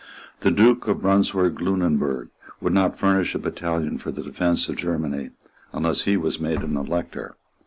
The Duke of Brunswick Lunenburg would not furnish a battalion for the defence of Germany unless he was made an Elector.